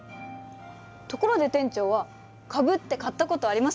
ところで店長は株って買ったことありますか？